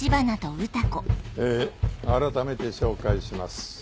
え改めて紹介します。